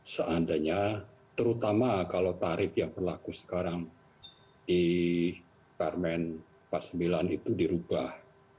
seandainya terutama kalau tarif yang berlaku sekarang di permen empat puluh sembilan itu dirubah